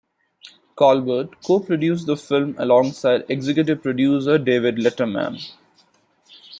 Colbert co-produced the film alongside executive producer David Letterman.